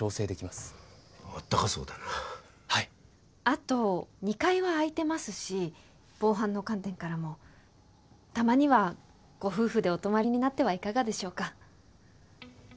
後２階は空いてますし防犯の観点からもたまにはご夫婦でお泊まりになってはいかがでしょうか？